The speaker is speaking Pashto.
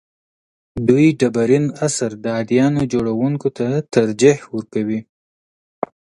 دوی ډبرین عصر د اديانو جوړونکو ته ترجیح ورکوي.